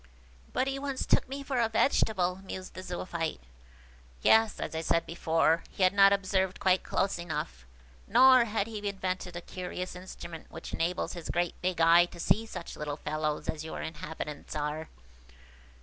"But he once took me for a vegetable," mused the Zoophyte. "Yes; as I said before, he had not observed quite close enough, nor had he then invented a curious instrument which enables his great big eye to see such little fellows as your inhabitants are.